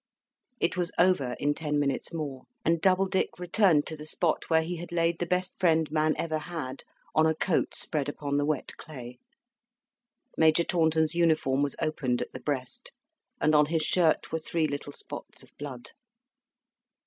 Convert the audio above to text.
It was over in ten minutes more, and Doubledick returned to the spot where he had laid the best friend man ever had on a coat spread upon the wet clay. Major Taunton's uniform was opened at the breast, and on his shirt were three little spots of blood.